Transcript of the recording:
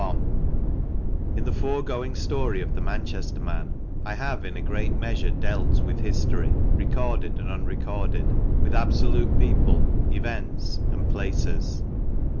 T N the foregoing story of the :t Manchester Man," I have in a great measure •*• dealt with history, recorded and unrecorded, with absolute people, events, and places.